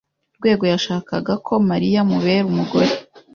Rwego yashakaga ko Mariya amubera umugore.